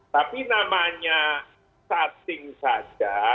tapi namanya cacing saja